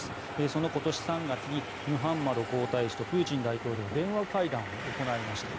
その今年３月にムハンマド皇太子とプーチン大統領は電話会談を行いました。